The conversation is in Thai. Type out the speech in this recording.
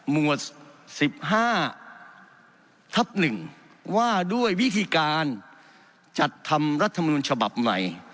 มวลสิบห้าทับหนึ่งว่าด้วยวิธีการจัดทำรัฐมนุญชบับใหม่